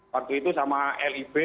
waktu itu sama lib